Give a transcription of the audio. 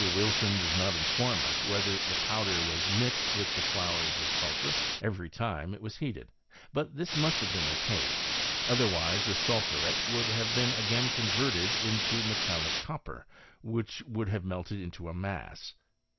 Wilson does not inform us whether the powder was mixed with flowers of sulphur every time that it was heated ; but this must have been the case, otherwise the sul . phuret would have been again converted into metallic copper, which would have melted into a mass.